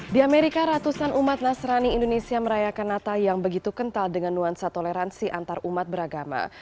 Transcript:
di amerika ratusan umat nasrani indonesia merayakan natal yang begitu kental dengan nuansa toleransi antarumat beragama